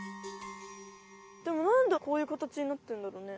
でもなんでこういうかたちになってんだろうね？